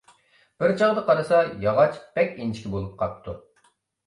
بىر چاغدا قارىسا، ياغاچ بەك ئىنچىكە بولۇپ قاپتۇ.